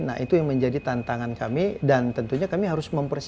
nah itu yang menjadi tantangan kami dan tentunya kami harus mempersiapkan